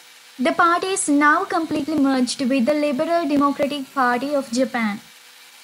The party is now completely merged with the Liberal Democratic Party of Japan.